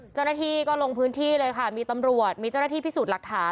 เจ้าหน้าที่ก็ลงพื้นที่เลยค่ะมีตำรวจมีเจ้าหน้าที่พิสูจน์หลักฐาน